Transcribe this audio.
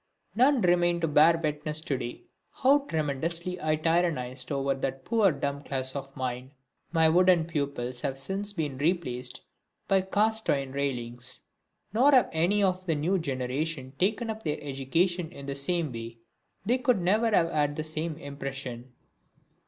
None remain to bear witness to day how tremendously I tyrannised over that poor dumb class of mine. My wooden pupils have since been replaced by cast iron railings, nor have any of the new generation taken up their education in the same way they could never have made the same impression.